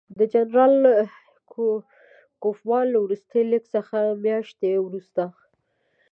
د جنرال کوفمان له وروستي لیک څه میاشت وروسته.